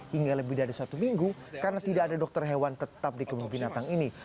hingga lebih dari satu minggu karena tidak ada dokter hewan tetap di kebun binatang ini